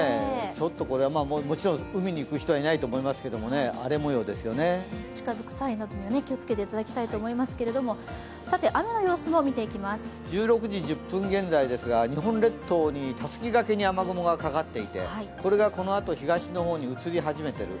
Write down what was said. ちょっともちろん海に行く人はいないと思いますけど近づく際などには気をつけていただきたいと思いますけども、１６時１０分現在ですが日本列島にたすき掛けに雨雲がかかっていて、これがこのあと東の方に移り始めている。